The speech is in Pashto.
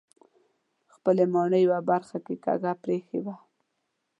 خپلې ماڼۍ یوه برخه یې کږه پرېښې وه.